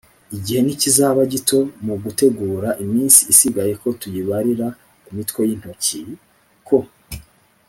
igihe ntikizaba gito mu gutegura, iminsi isigaye ko tuyibarira ku mitwe y’intoki? ko